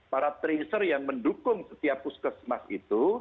para tracer yang mendukung setiap puskesmas itu